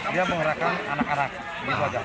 dia menggerakkan anak anak di fajar